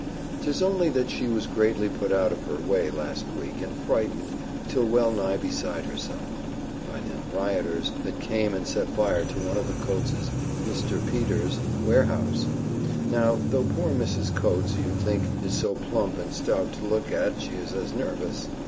'Tis only that she was greatly put out of her way last week, and frightened, till well nigh beside herself, by them rioters that came and set fire to one of the Coates's, Mr. Peter's, warehouse. Now, though poor Mrs. Coates, you'd think, is so plump and stout to look at, she is as nervous!